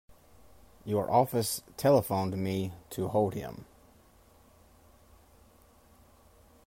Your office telephoned me to hold him.